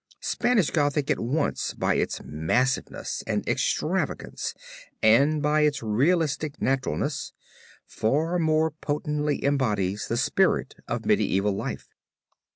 Spanish Gothic at once by its massiveness and extravagance and by its realistic naturalness, far more potently embodies the spirit of medieval life.